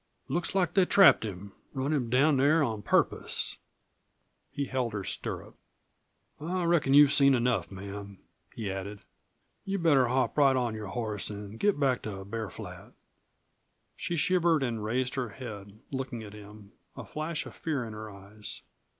Looks like they trapped him; run him down there on purpose." He held her stirrup. "I reckon you've seen enough, ma'am," he added. "You'd better hop right on your horse an' get back to Bear Flat." She shivered and raised her head, looking at him a flash of fear in her eyes.